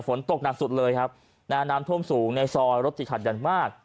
ฝนตกหนักสุดเลยครับนะฮะน้ำท่วมสูงในซอยรถติดขัดอย่างมาก